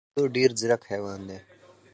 بیزو ډېر ځیرک حیوان دی.